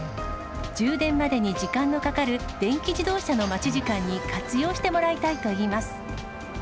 充電までに時間のかかる電気自動車の待ち時間に活用してもらいたいといいます。